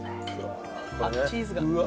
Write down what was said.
あっチーズが。